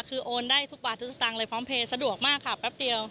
คือโอนได้ทุกบาททุกสตางค์เลยพร้อมเพลย์สะดวกมากค่ะแป๊บเดียว